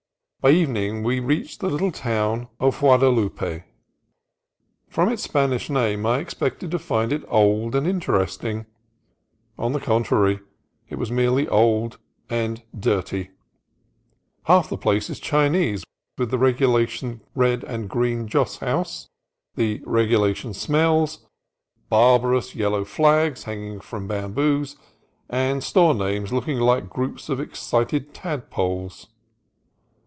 By evening we reached the little town of Guada lupe. From its Spanish name I expected to find it old and interesting: on the contrary, it was merely old and dirty. Half the place is Chinese, with the regulation red and green joss house, the regulation smells, barbarous yellow flags dangling from bam boos, and store names looking like groups of excited tadpoles.